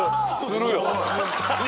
するよ。